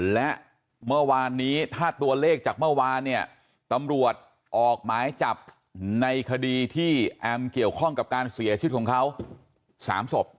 และเมื่อวานนี้ถ้าตัวเลขจากเมื่อวานเนี่ยตำรวจออกหมายจับในคดีที่แอมเกี่ยวข้องกับการเสียชีวิตของเขา๓ศพ